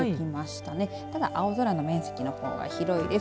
ただ青空の面積のほうが広いです。